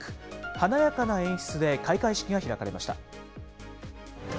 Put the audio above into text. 華やかな演出で開会式が開かれました。